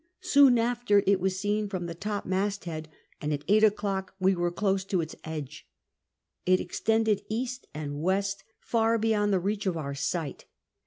Soon after it was seen from the topinasthead, and at eight o'clock we were close to its edge. It extended east and west far beyond the reach of our sight.